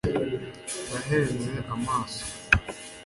Ndahanze amaso